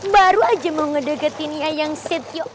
baru aja mau ngedeketin ya yang set yuk